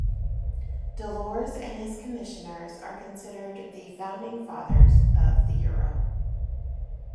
Delors and his Commissioners are considered the "founding fathers" of the euro.